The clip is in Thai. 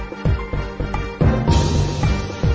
กินโทษส่องแล้วอย่างนี้ก็ได้